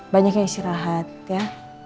banyak yang istirahat ya